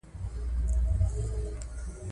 سړی بازار ته لاړ.